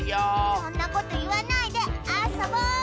そんなこといわないであっそぼう！